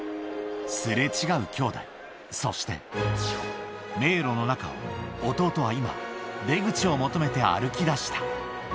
すれ違うきょうだい、そして、迷路の中を弟は今、出口を求めて歩き出した。